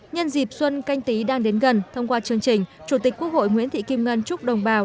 nhân dịp xuân canh tí đang đến gần thông qua chương trình chủ tịch quốc hội nguyễn thị kim ngân chúc đồng bào